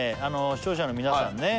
視聴者の皆さんね